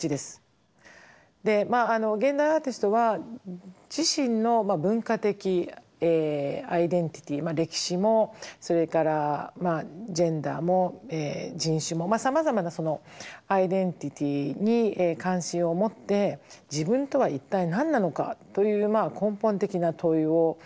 現代アーティストは自身の文化的アイデンティティー歴史もそれからジェンダーも人種もさまざまなアイデンティティーに関心を持って「自分とは一体何なのか」という根本的な問いを自分自身に向けています。